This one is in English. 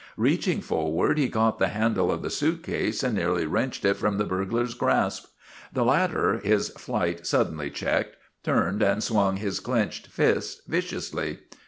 Reaching forward he caught the handle of the suitcase and nearly wrenched it from the burglar's grasp. The latter, his flight suddenly checked, turned and swung his clenched fist viciously.